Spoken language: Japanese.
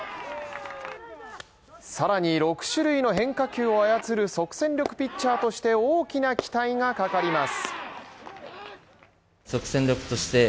さらに６種類の変化球を操る即戦力ピッチャーとして大きな期待がかかります。